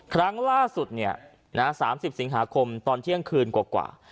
ครั้งล่าสุดเนี่ยนะฮะสามสิบสิงหาคมตอนเที่ยงคืนกว่ากว่า